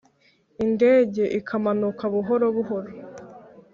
Indege ikamanuka buhoro buhoro